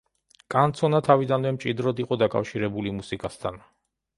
კანცონა თავიდანვე მჭიდროდ იყო დაკავშირებული მუსიკასთან.